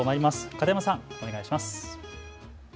片山さん、お願いします。